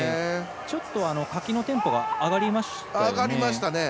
ちょっとかきのテンポも上がりましたよね？